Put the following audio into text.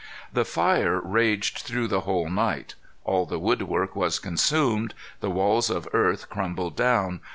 The fire raged through the whole night. All the wood work was consumed. The walls of earth crumbled down.